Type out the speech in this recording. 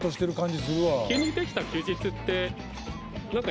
急にできた休日って。